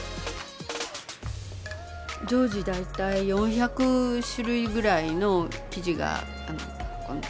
常時大体４００種類ぐらいの生地がここにあって。